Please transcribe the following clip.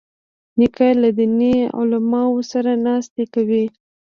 نیکه له دیني علماوو سره ناستې کوي.